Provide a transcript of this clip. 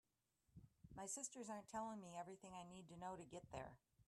My sisters aren’t telling me everything I need to know to get there.